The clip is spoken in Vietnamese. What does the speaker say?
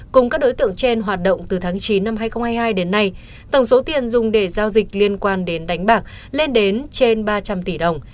cùng các đối tượng trên hoạt động từ tháng chín năm hai nghìn hai mươi hai đến nay tổng số tiền dùng để giao dịch liên quan đến đánh bạc lên đến trên ba trăm linh tỷ đồng